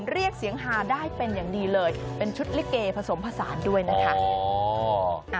เรียกเสียงฮาได้เป็นอย่างดีเลยเป็นชุดลิเกผสมผสานด้วยนะคะ